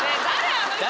あの人。